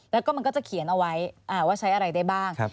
แล้วก็เขียนเอาไว้ว่าใช้อะไรได้บ้าง